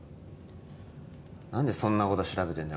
なんでそんな事調べてんだよ。